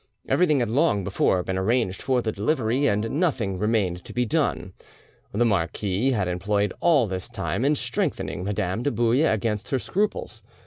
Everything had long before been arranged for the delivery, and nothing remained to be done. The marquis had employed all this time in strengthening Madame de Bouille against her scruples.